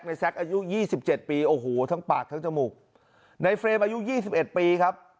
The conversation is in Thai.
ในแซคอายุ๒๗ปีโอ้โหทั้งปากทั้งจมูกในเฟรมอายุ๒๑ปีครับ